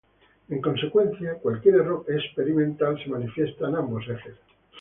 En consecuencia, cualquier error experimental se manifiesta en ambos ejes.